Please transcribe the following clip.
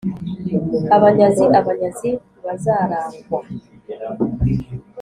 Abanyazi abanyazi ntibazaragwa